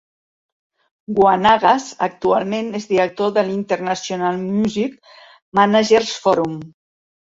Wanagas actualment és director de l'International Music Manager's Forum.